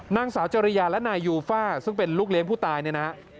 นางสาวจริยาและนายยูฟ่าซึ่งเป็นลูกเลี้ยงผู้ตายเนี่ยนะ